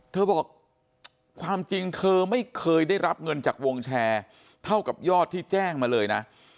เธอบอกความจริงเธอไม่เคยได้รับเงินจากวงแชร์เท่ากับยอดที่แจ้งมาเลยนะ